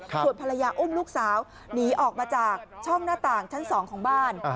ส่วนภรรยาอุ้มลูกสาวหนีออกมาจากช่องหน้าต่างชั้น๒ของบ้าน